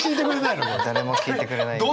誰も聴いてくれないの？